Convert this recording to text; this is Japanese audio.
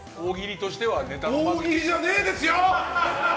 大喜利じゃねえですよ！